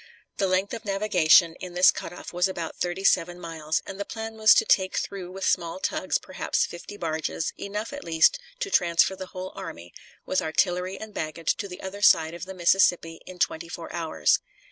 The length of navigation in this cut off was about thirty seven miles, and the plan was to take through with small tugs perhaps fifty barges, enough, at least, to transfer the whole army, with artillery and baggage, to the other side of the Mississippi in twenty four hours.